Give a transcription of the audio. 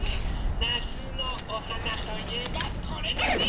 なつのおはなといえばこれですよ！